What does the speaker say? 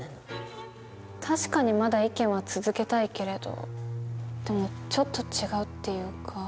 確かにまだ意見は続けたいけれどでもちょっと違うっていうか。